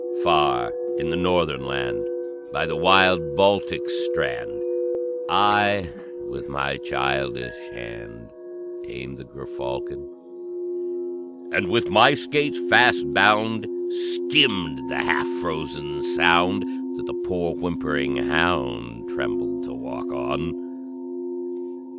"Far in the Northern Land, By the wild Baltic's strand, I, with my childish hand, Tamed the gerfalcon; And, with my skates fast bound, Skimmed the half frozen Sound, That the poor whimpering hound Trembled to walk on.